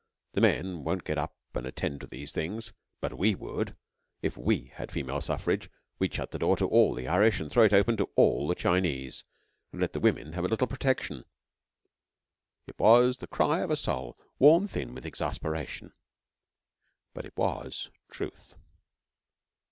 The men won't get up and attend to these things, but we would. If we had female suffrage, we'd shut the door to all the Irish and throw it open to all the Chinese, and let the women have a little protection.' It was the cry of a soul worn thin with exasperation, but it was truth.